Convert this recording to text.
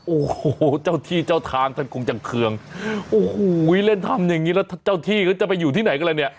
โอ้โหเจ้าที่เจ้าทางท่านคงจะเคืองโอ้โหเล่นทำอย่างงี้แล้วเจ้าที่เขาจะไปอยู่ที่ไหนกันแล้วเนี่ย